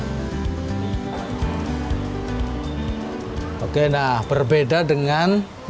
oke nah berbeda dengan yang tadi proses pembuatan mendoan yang sama dari hal yang tadi untuk menjual tempe menduan